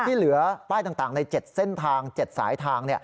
ที่เหลือป้ายต่างใน๗เส้นทาง๗สายทาง